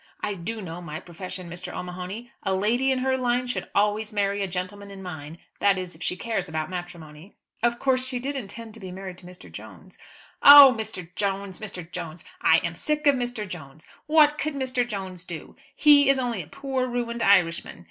I do know my profession, Mr. O'Mahony. A lady in her line should always marry a gentleman in mine; that is if she cares about matrimony." "Of course she did intend to be married to Mr. Jones." "Oh! Mr. Jones, Mr. Jones! I am sick of Mr. Jones. What could Mr. Jones do? He is only a poor ruined Irishman.